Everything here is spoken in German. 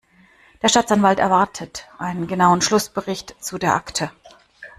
Der Staatsanwalt erwartet einen genauen Schlussbericht zu der Akte.